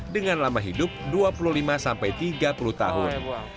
dengan lama hidup dua puluh lima sampai tiga puluh tahun